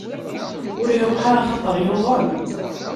Ur iruḥ ara axaṭer yuḍen.